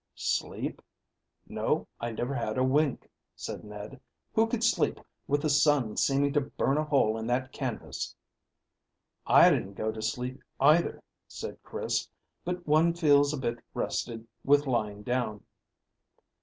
"Sleep? No, I never had a wink," said Ned. "Who could sleep, with the sun seeming to burn a hole in that canvas?" "I didn't go to sleep either," said Chris; "but one feels a bit rested with lying down."